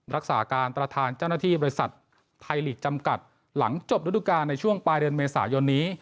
รักษาการประธานเจ้าหน้าที่บริษัทไทยลีกจำกัดหลังจบฤดูการในช่วงปลายเดือนเมษายนนี้